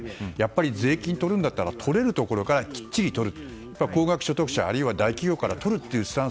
やっぱり税金取るんだったら取れるところからきっちり取る。